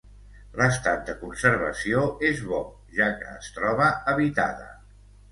L'estat de conservació és bo, ja que es troba habitada.